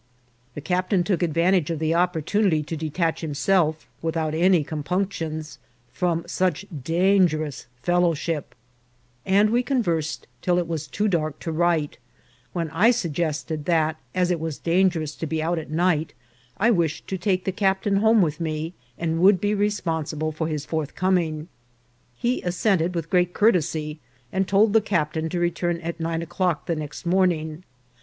The captain took advantage of the opportunity to de tach himself, without any compunctions, from such dan gerous fellowship, and we conversed till it was too dark to write, when I suggested that, as it was dangerous to be out at night, I wished to take the captain home with me, and would be responsible for his forthcoming. He assented with great courtesy, and told the captain to return at nine o'clock the next morning.